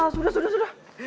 sudah sudah sudah